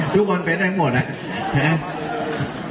ทุกคนเป็นอย่างหมดนะฮะเห็นไหม